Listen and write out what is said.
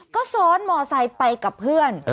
ก็ซ้อนมอไซค์ไปกับเพื่อน